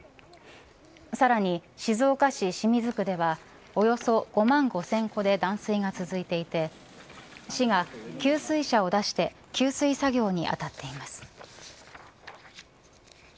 さらに、静岡市清水区ではおよそ５万５０００戸で断水が続いていて市が給水車を出して給水作業に当たっています。